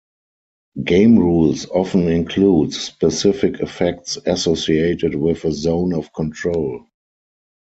Game rules often include specific effects associated with a zone of control.